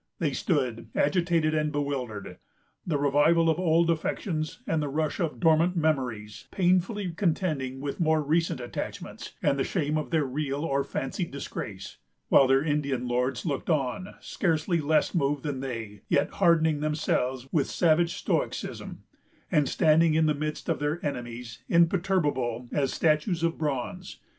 They stood agitated and bewildered; the revival of old affections, and the rush of dormant memories, painfully contending with more recent attachments, and the shame of their real or fancied disgrace; while their Indian lords looked on, scarcely less moved than they, yet hardening themselves with savage stoicism, and standing in the midst of their enemies, imperturbable as statues of bronze.